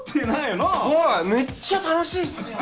はいめっちゃ楽しいっすよ。